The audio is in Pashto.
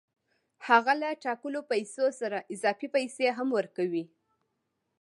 هغه له ټاکلو پیسو سره اضافي پیسې هم ورکوي